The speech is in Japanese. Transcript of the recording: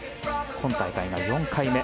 今大会が４回目。